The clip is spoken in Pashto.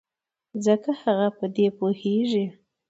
ځکه هغه په دې پوهېږي.